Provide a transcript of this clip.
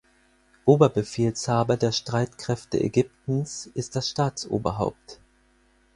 Oberbefehlshaber der Streitkräfte Ägyptens ist das Staatsoberhaupt.